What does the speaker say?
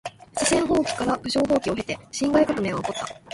四川蜂起から武昌蜂起を経て辛亥革命は起こった。